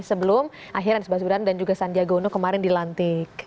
sebelum akhir anies baswedan dan juga sandiaga uno kemarin dilantik